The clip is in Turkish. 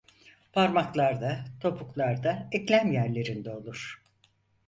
Parmaklarda, topuklarda, eklem yerlerinde olur.